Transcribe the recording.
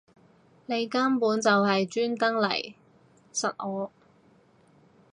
你根本就係專登嚟????實我